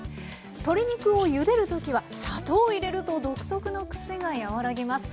鶏肉をゆでる時は砂糖を入れると独特のクセが和らぎます。